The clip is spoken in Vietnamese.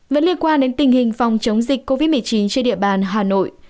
vẫn liên quan đến tình hình phòng chống dịch covid một mươi chín trên địa bàn hà nội